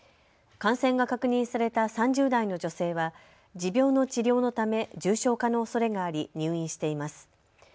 感染が確認された３０代の女性は持病の治療のため重症化のおそれがあり入院しています。